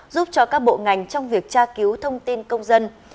giúp cho các bộ ngành trong việc tra cứu thông tin công dân